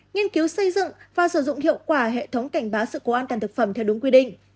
nghiên cứu xây dựng và sử dụng hiệu quả hệ thống cảnh báo sự cố an toàn thực phẩm theo đúng quy định